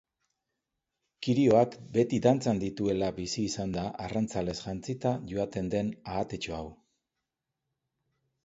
Kirioak beti dantzan dituela bizi izan da arrantzalez jantzita joaten den ahatetxo hau.